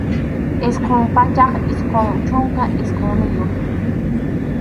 Isqun pachak isqun chunka isqunniyuq.